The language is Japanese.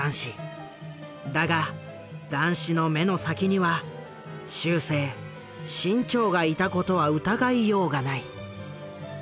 だが談志の目の先には終生志ん朝がいたことは疑いようがない。